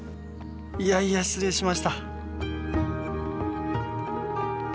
いやいや失礼しました。